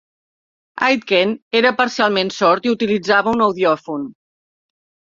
Aitken era parcialment sord i utilitzava un audiòfon.